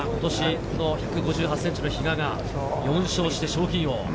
ただ今年の、１５８ｃｍの比嘉が４勝して賞金王。